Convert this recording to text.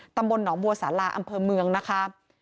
ตำบลหนองบัวสาราอำเภอเมืองนะคะ